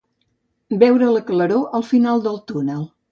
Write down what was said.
Veure la claror al final del túnel.